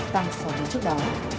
tăng so với trước đó